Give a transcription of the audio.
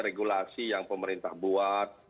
regulasi yang pemerintah buat